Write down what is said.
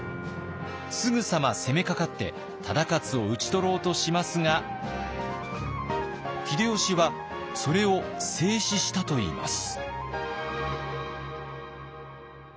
すぐさま攻めかかって忠勝を討ち取ろうとしますが秀吉はそれを制止したといいます。